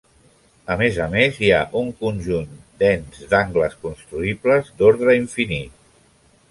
A més a més hi ha un conjunt dens d'angles construïbles d'ordre infinit.